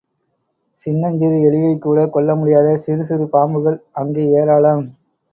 சின்னஞ் சிறு எலியைக்கூடக் கொல்லமுடியாத சிறுசிறு பாம்புகள் அங்கே ஏராளம்.